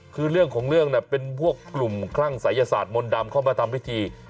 คือเรื่องของเรื่องน่ะเป็นพวกกลุ่มคลั่งศัยศาสตร์มนต์ดำเข้ามาทำพิธี